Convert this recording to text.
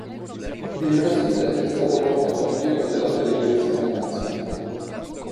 In Brasile è stato portabandiera della delegazione nazionale.